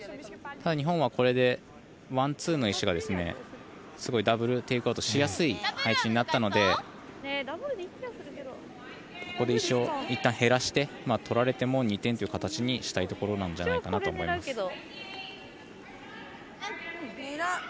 ただ日本はこれでワン、ツーの石がダブル・テイクアウトしやすい配置になったのでここで石をいったん減らして取られても２点という形にしたいところなんじゃないかと思います。